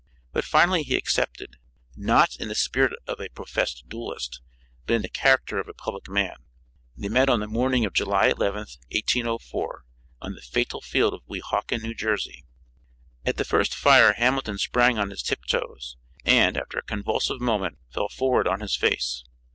But finally he accepted, not in the spirit of a professed duelist, but in the character of a public man. They met on the morning of July 11th, 1804, on the fatal field of Weehawken, New Jersey. At the first fire Hamilton sprang on his tip toes, and, after a convulsive movement, fell forward on his face.